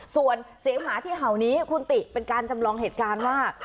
ส่วนเสียงหมาที่เห่านี้คุณติเป็นการจำลองเหตุการณ์ว่า